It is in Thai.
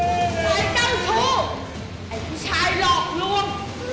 ไอ้เจ้าชู้ไอ้ผู้ชายหลอกรวม